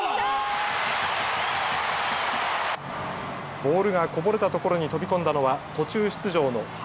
ボールがこぼれたところに飛び込んだのは途中出場の林。